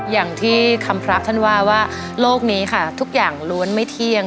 อย่างที่คำพระท่านว่าว่าโลกนี้ค่ะทุกอย่างล้วนไม่เที่ยง